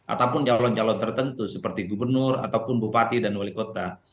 ataupun calon calon tertentu seperti gubernur ataupun bupati dan wali kota